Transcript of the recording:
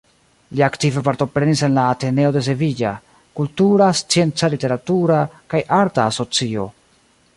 Li aktive partoprenis en la "Ateneo de Sevilla", kultura, scienca, literatura kaj arta asocio.